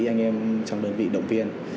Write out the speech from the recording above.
anh em trong đơn vị động viên